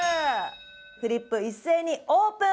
フリップ一斉にオープン！